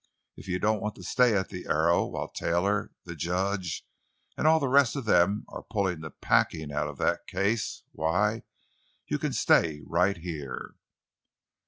If you don't want to stay at the Arrow while Taylor, the judge, an' all the rest of them are pullin' the packin' out of that case, why, you can stay right here!"